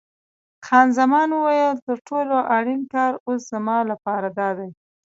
خان زمان وویل: تر ټولو اړین کار اوس زما لپاره دادی.